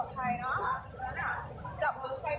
โอ้โฮเยอะหลายคน